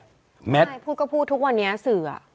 ใช่พูดก็พูดทุกวันนี้สื่อ